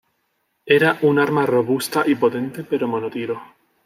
Era un arma robusta y potente, pero monotiro.